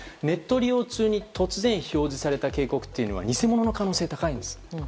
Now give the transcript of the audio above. ネット利用中に突然表示された警告は偽物の可能性が高いです。